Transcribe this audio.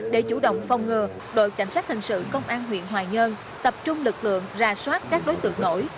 để chủ động phòng ngừa đội cảnh sát hình sự công an huyện hoài nhơn tập trung lực lượng ra soát các đối tượng nổi